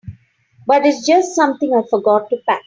But it's just something I forgot to pack.